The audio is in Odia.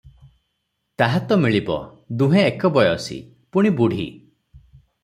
ତାହା ତ ମିଳିବ, ଦୁହେଁ ଏକ ବୟସୀ, ପୁଣି ବୁଢୀ ।